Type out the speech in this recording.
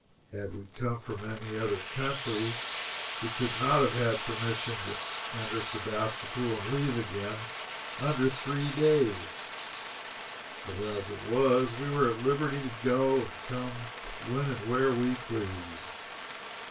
Had we come from any other country we could not have had permission to enter Sebastopol and leave again under three days but as it was, we were at liberty to go and come when and where we pleased.